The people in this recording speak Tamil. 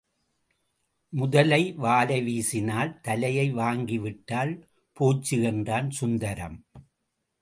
முதலை வாலை வீசினால் தலையை வாங்கிவிட்டால் போச்சு என்றான் சுந்தரம்.